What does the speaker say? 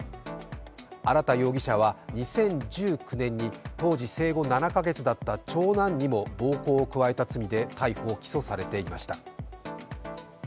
荒田容疑者は２０１９年に生後７か月だった長男にも暴行を加えた罪で逮捕・起訴されていました。